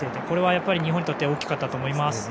これは日本にとって大きかったと思います。